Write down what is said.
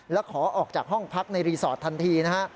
แล้วขอออกจากห้องพักในรีสอร์ททันทีนะฮะ